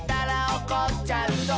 「おこっちゃうぞ」